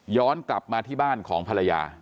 กลับมาที่บ้านของภรรยา